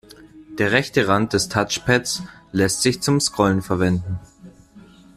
Der rechte Rand des Touchpads lässt sich zum Scrollen verwenden.